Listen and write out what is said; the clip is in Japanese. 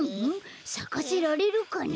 さかせられるかな？